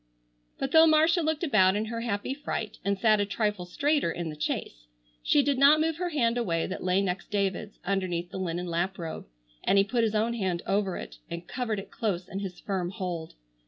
But though Marcia looked about in her happy fright, and sat a trifle straighter in the chaise, she did not move her hand away that lay next David's, underneath the linen lap robe, and he put his own hand over it and covered it close in his firm hold.